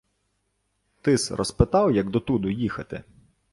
— Ти-с розпитав, як дотуду їхати?